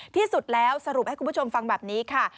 ที่สุดแล้วสรุปให้คุณผู้ชมฟังแบบนี้ค่ะ